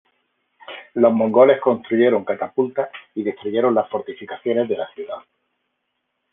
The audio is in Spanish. Los mongoles construyeron catapultas y destruyeron las fortificaciones de la ciudad.